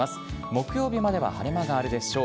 木曜日までは晴れ間があるでしょう。